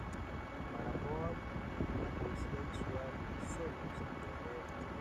Para Bou, "la poesía visual sólo se puede leer".